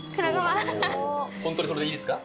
本当にそれでいいですか？